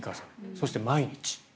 そして毎日。